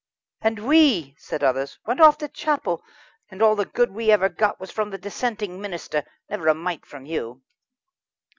"And we," said others, "went off to chapel, and all the good we ever got was from the dissenting minister never a mite from you."